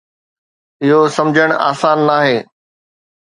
اهو سمجهڻ آسان ناهي.